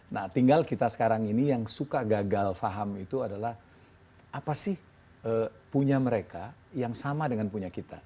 nah tinggal kita sekarang ini yang suka gagal faham itu adalah apa sih punya mereka yang sama dengan punya kita